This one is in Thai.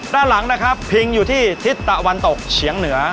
ด้านหลังนะครับพิงอยู่ที่ทิศตะวันตกเฉียงเหนือ